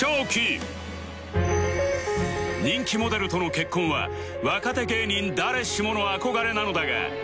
人気モデルとの結婚は若手芸人誰しもの憧れなのだが